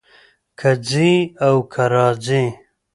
کۀ ځي او کۀ راځي